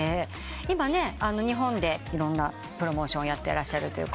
今日本でいろんなプロモーションやってらっしゃると。